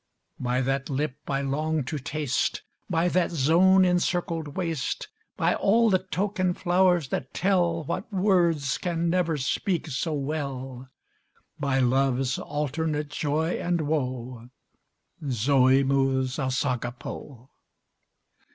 ~ By that lip I long to taste; By that zone encircled waist; By all the token flowers that tell What words can never speak so well; By love's alternate joy and woe, ~Zôe mou, sas agapô.